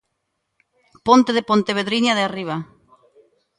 Ponte de Pontepedriña de Arriba.